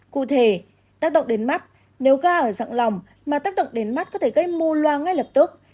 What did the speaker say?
cụ thể tác động đến mắt nếu ga ở dạng lỏng mà tác động đến mắt có thể gây mù loa ngay lập tức